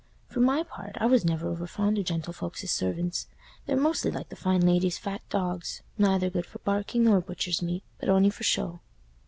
"For my part, I was never overfond o' gentlefolks's servants—they're mostly like the fine ladies' fat dogs, nayther good for barking nor butcher's meat, but on'y for show."